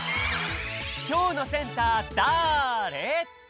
きょうのセンターだぁれ？